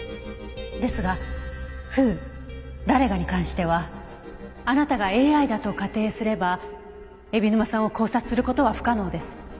ですがＷＨＯ「誰が」に関してはあなたがＡＩだと仮定すれば海老沼さんを絞殺する事は不可能です。